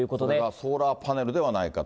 ソーラーパネルではないかと。